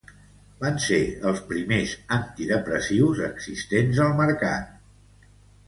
Van ser els primers antidepressius existents al mercat.